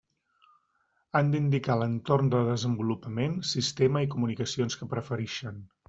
Han d'indicar l'entorn de desenvolupament, sistema i comunicacions que preferixen.